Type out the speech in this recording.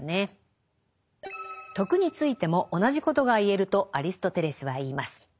「徳」についても同じことが言えるとアリストテレスは言います。